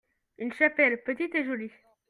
une chapelle, petite et jolie.